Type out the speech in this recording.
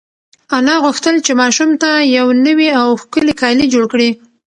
انا غوښتل چې ماشوم ته یو نوی او ښکلی کالي جوړ کړي.